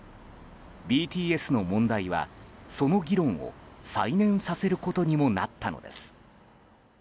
ＢＴＳの問題は、その議論を再燃させることにもなったのです。